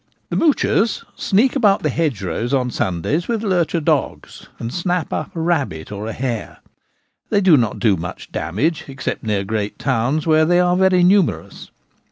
155 The 'mouchers' sneak about the hedgerows on Sundays with lurcher dogs, and snap up a rabbit or a hare ; they do not do much damage except near great towns, where they are very numerous.